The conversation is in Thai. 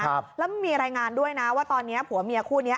แล้วมีรายงานด้วยนะว่าตอนนี้ผัวเมียคู่นี้